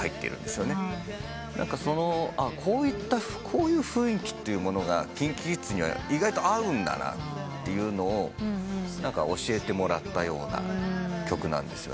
こういう雰囲気というものがＫｉｎＫｉＫｉｄｓには意外と合うんだなというのを教えてもらったような曲なんですよね。